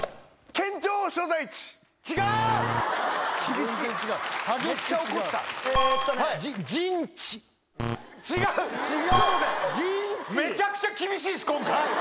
ピンポンめちゃくちゃ厳しいです今回。